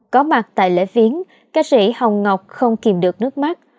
có mặt tại lễ viếng ca sĩ hồng ngọc không kìm được nước mắt